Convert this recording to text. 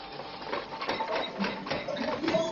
A bia ka ing kho lo.